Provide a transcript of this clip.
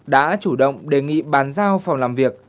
đã chủ động đề nghị bàn giao phòng làm việc